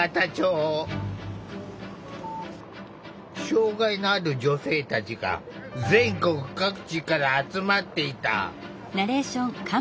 障害のある女性たちが全国各地から集まっていた。